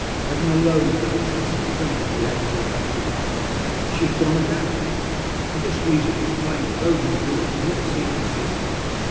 Heaven alone knows how supreme was the agony of that moment. She had gone about, and for this reason it was plain that those on board had not seen our signal.